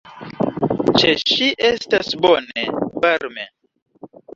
Ĉe ŝi estas bone, varme.